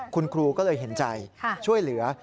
คุณครูก็เลยเห็นใจช่วยเหลือ